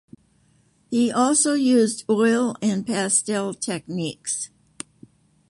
He also used oil and pastel techniques.